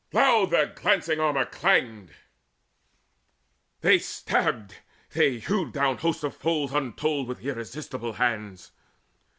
Loud their glancing armour clanged: They stabbed, they hewed down hosts of foes untold With irresistible hands.